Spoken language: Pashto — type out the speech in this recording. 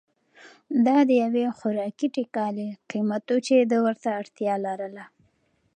دا د یوې خوراکي ټکلې قیمت و چې ده ورته اړتیا لرله.